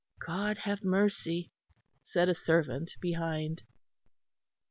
"God have mercy," said a servant behind.